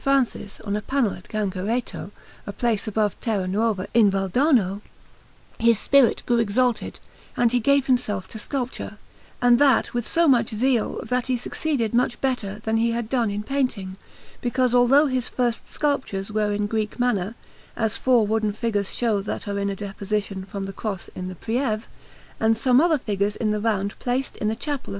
Francis on a panel at Ganghereto, a place above Terra Nuova in Valdarno, his spirit grew exalted and he gave himself to sculpture, and that with so much zeal that he succeeded much better than he had done in painting, because, although his first sculptures were in Greek manner, as four wooden figures show that are in a Deposition from the Cross in the Prieve, and some other figures in the round placed in the Chapel of S.